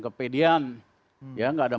kepedian gak ada